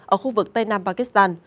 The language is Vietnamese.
ở khu vực tây nam pakistan